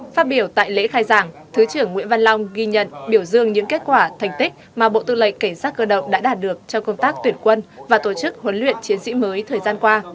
phát biểu tại lễ khai giảng thứ trưởng nguyễn văn long ghi nhận biểu dương những kết quả thành tích mà bộ tư lệnh cảnh sát cơ động đã đạt được trong công tác tuyển quân và tổ chức huấn luyện chiến sĩ mới thời gian qua